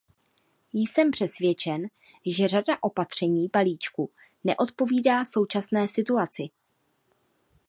Jsem přesvědčen, že řada opatření balíčku neodpovídá současné situaci.